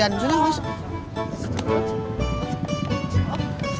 makanya burang sakit yaabilir lebih